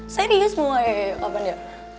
serius mau kapan ya